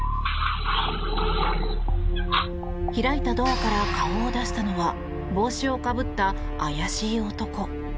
開いたドアから顔を出したのは帽子をかぶった怪しい男。